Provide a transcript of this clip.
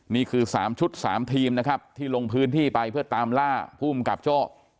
นี่คือ๓ชุด๓ทีมนะครับที่ลงพื้นที่ไปเพื่อตามล่าภูมิกับโจ้